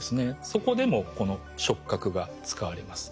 そこでもこの触角が使われます。